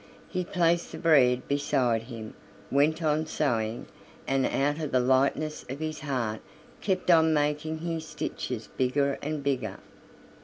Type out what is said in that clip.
He placed the bread beside him, went on sewing, and out of the lightness of his heart kept on making his stitches bigger and bigger.